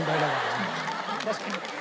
確かに。